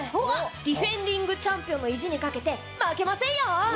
ディフェンディング・チャンピオンの意地にかけて負けませんよ。